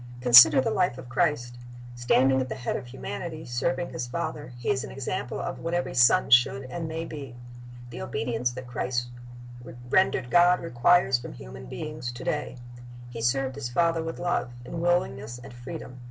Consider the life of Christ. Standing at the head of humanity, serving His Father, He is an example of what every son should and may be. The obedience that Christ rendered God requires from human beings to day. He served His Father with love, in willingness and freedom.